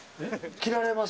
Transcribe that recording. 着られます？